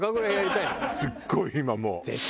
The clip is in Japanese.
すっごい今もう。